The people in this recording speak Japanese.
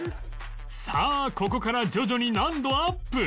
さあここから徐々に難度アップ